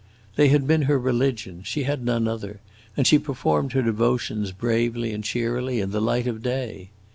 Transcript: They had been her religion; she had none other, and she performed her devotions bravely and cheerily, in the light of day.